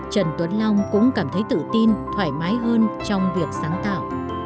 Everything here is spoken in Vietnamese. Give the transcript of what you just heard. trần tuấn long cũng cảm thấy tự tin thoải mái hơn trong việc sáng tạo